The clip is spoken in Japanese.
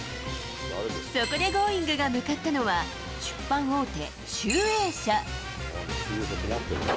そこでＧｏｉｎｇ！が向かったのは、出版大手、集英社。